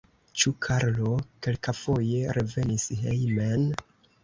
Ĉu Karlo kelkafoje revenis hejmen?